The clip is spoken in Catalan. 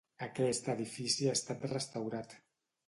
Aquest edifici ha estat restaurat.